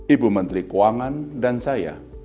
ibu menteri keuangan dan saya